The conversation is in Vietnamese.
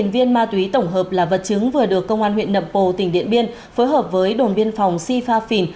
một mươi viên ma túy tổng hợp là vật chứng vừa được công an huyện nậm pồ tỉnh điện biên phối hợp với đồn biên phòng si pha phìn